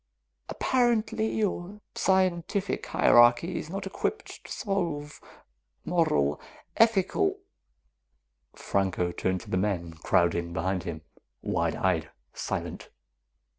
Apparently, your scientific hierarchy is not equipped to solve moral, ethical " Franco turned to the men, crowding behind him, wide eyed, silent.